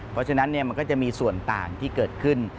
เพราะฉะนั้นมันก็จะมีส่วนต่างที่เกิดขึ้น